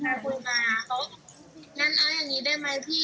เนี่ยเขาต้องเอาไปต้มกับยาโม่กิน